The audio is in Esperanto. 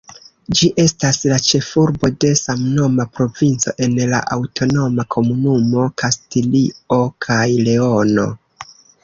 Ĝi estas la ĉefurbo de samnoma provinco en la aŭtonoma komunumo Kastilio kaj Leono.